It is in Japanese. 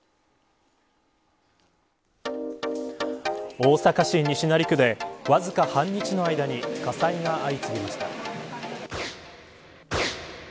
大阪市西成区でわずか半日の間に火災が相次ぎました。